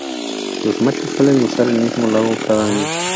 Los machos suelen usar el mismo lago cada año.